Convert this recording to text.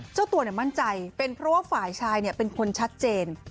เจ้าตัวมั่นใจเป็นเพราะว่าฝ่ายชายเป็นคนชัดเจน